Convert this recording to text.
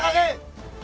ketak juga ini